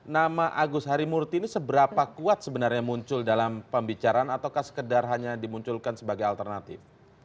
nama agus harimurti ini seberapa kuat sebenarnya muncul dalam pembicaraan ataukah sekedar hanya dimunculkan sebagai alternatif